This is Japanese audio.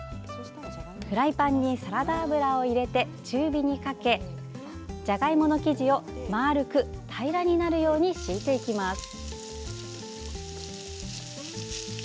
フライパンにサラダ油を入れて中火にかけじゃがいもの生地を丸く平らになるように敷いていきます。